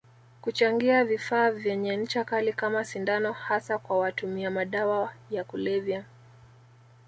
Kuchangia vifaa vyenye ncha Kali kama sindano hasa kwa watumia madawa ya kulevya